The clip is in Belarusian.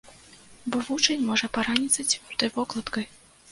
Бо вучань можа параніцца цвёрдай вокладкай.